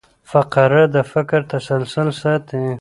فقره د فکر تسلسل ساتي.